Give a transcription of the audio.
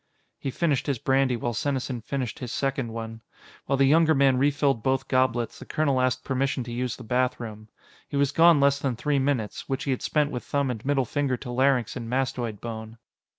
He finished his brandy while Senesin finished his second one. While the younger man refilled both goblets, the colonel asked permission to use the bathroom. He was gone less than three minutes, which he had spent with thumb and middle finger to larynx and mastoid bone.